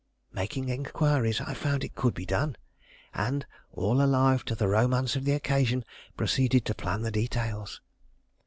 Making inquiries, I found that it could be done, and, all alive to the romance of the occasion, proceeded to plan the details.